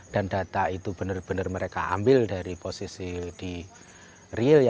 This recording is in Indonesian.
dan data itu benar benar mereka ambil dari posisi di real